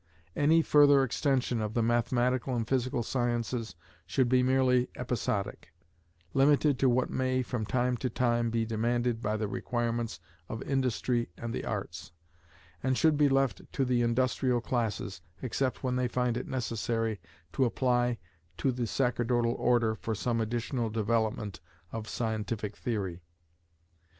Any further extension of the mathematical and physical sciences should be merely "episodic;" limited to what may from time to time be demanded by the requirements of industry and the arts; and should be left to the industrial classes, except when they find it necessary to apply to the sacerdotal order for some additional development of scientific theory.